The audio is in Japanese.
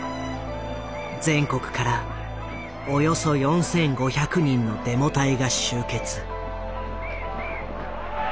全国からおよそ４，５００人のデモ隊が集結。